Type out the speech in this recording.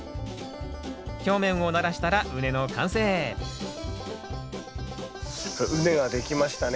表面をならしたら畝の完成畝が出来ましたね。